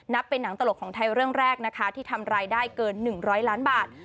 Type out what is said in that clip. เป็นหนังตลกของไทยเรื่องแรกนะคะที่ทำรายได้เกิน๑๐๐ล้านบาท